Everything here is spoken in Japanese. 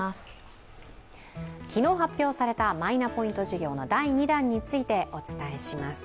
昨日発表されたマイナポイント事業の第２弾についてお伝えします。